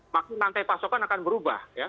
maksimum lantai pasokan akan berubah